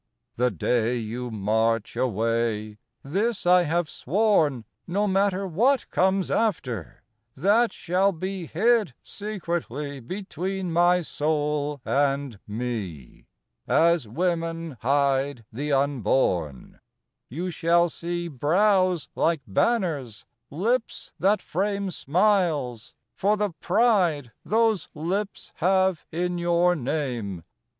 The day you march away this I have sworn, No matter what comes after, that shall be Hid secretly between my soul and me As women hide the unborn You shall see brows like banners, lips that frame Smiles, for the pride those lips have in your name.